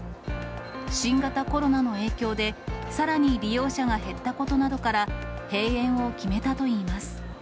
新型コロナの影響でさらに利用者が減ったことなどから、閉園を決めたといいます。